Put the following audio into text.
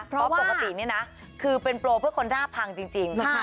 เพราะปกตินี่นะคือเป็นโปรเพื่อคนราบพังจริง